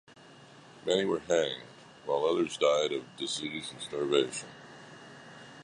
Many were hanged, while others died of disease and starvation.